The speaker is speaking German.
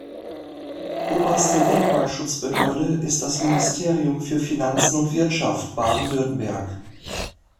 Oberste Denkmalschutzbehörde ist das Ministerium für Finanzen und Wirtschaft Baden-Württemberg.